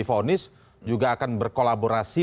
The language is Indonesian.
fonis juga akan berkolaborasi